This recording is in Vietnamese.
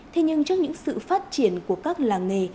thế nhưng trước những sự phát triển của các làng nghề